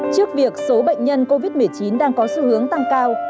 trước việc số bệnh nhân covid một mươi chín đang có xu hướng tăng cao